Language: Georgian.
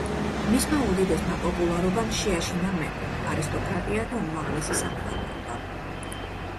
მისმა უდიდესმა პოპულარობამ შეაშინა მეფე, არისტოკრატია და უმაღლესი სამღვდელოება.